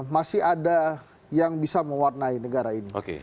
masih ada yang bisa mewarnai negara ini